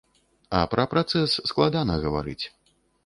А пра працэс складана гаварыць.